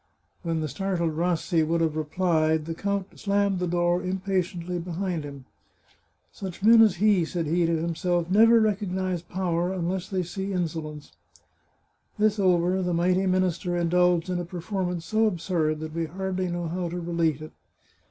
When the startled Rassi would have replied, the count slammed the door impatiently behind him. " Such men as he," said he to himself, " never recognise power unless they see insolence." This over, the mighty minister in dulged in a performance so absurd that we hardly know how to relate it.